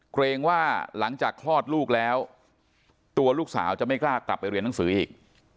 เกรงว่าหลังจากคลอดลูกแล้วตัวลูกสาวจะไม่กล้ากลับไปเรียนหนังสืออีก